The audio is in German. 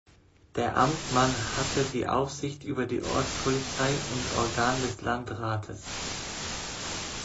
Der Amtmann hatte die Aufsicht über die Ortspolizei und Organ des Landrates.